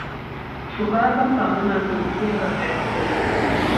Шукае пасаду, на якой будзе зарабляць больш.